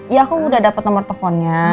ya aku udah dapat nomor teleponnya